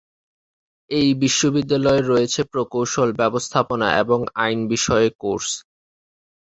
এই বিশ্ববিদ্যালয়ে রয়েছে প্রকৌশল, ব্যবস্থাপনা এবং আইন বিষয়ে কোর্স।